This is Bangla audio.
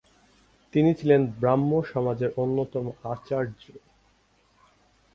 তিনি ছিলেন ব্রাহ্মসমাজের অন্যতম আচার্য।